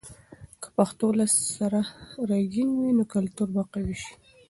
که پښتو له سره رنګین وي، نو کلتور به قوي سي.